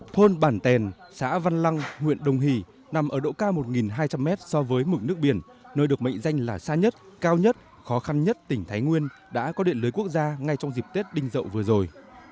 thôn bản tèn xã văn lăng huyện đồng hì nằm ở độ cao một hai trăm linh m so với mực nước biển nơi được mệnh danh là xa nhất cao nhất khó khăn nhất tỉnh thái nguyên đã có điện lưới quốc gia ngay trong dịp tết đinh dậu vừa rồi